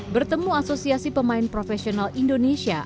bertemu asosiasi pemain profesional indonesia